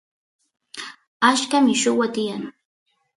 achka milluwa tiyan